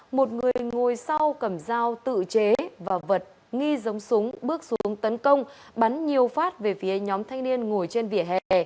một người ngồi sau cầm dao tự chế và vật nghi giống súng bước xuống tấn công bắn nhiều phát về phía nhóm thanh niên ngồi trên vỉa hè